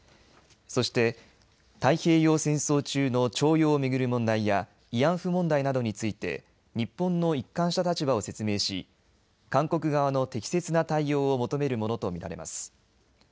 そして太平洋戦争中の徴用を巡る問題や慰安婦問題などについて日本の一貫した立場を説明し韓国側の適切な対応を求めるものと見られます。